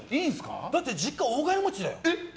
だって実家、大金持ちだよ。